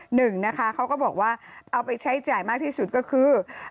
หนึ่งนะคะเขาก็บอกว่าเอาไปใช้จ่ายมากที่สุดก็คือ